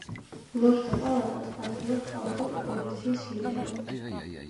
ლორდთა პალატას ასევე ჰყავს ოპოზიციის ლიდერი.